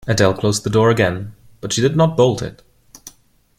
Adele closed the door again, but she did not bolt it.